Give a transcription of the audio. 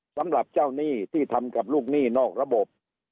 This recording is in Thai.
สำหรับเจ้าหนี้ที่ทำกับลูกหนี้นอกระบบ